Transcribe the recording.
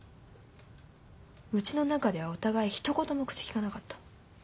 うちの中ではお互いひと言も口きかなかった。